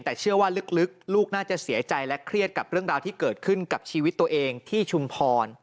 แต่เชื่อว่าลึกลูกน่าจะเสียใจและเครียดกับเรื่องราวที่เกิดขึ้นกับชีวิตตัวเองที่ชุมพร